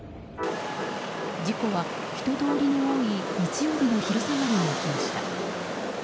事故は人通りの多い日曜日の昼下がりに起きました。